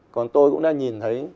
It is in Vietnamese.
còn tôi cũng đang nhìn thấy